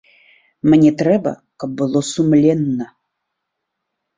Мне трэба, каб было сумленна.